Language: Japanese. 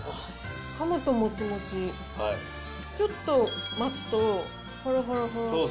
かむともちもち、ちょっと待つと、ほろほろほろって。